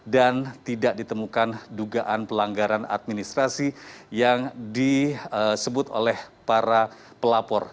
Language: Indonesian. dan tidak ditemukan dugaan pelanggaran administrasi yang disebut oleh para pelapor